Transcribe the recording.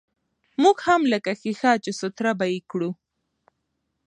موږ هم لکه ښيښه، چې سوتره به يې کړو.